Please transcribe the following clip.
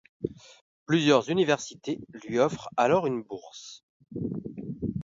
Plusieurs universités lui offrent alors une bourse.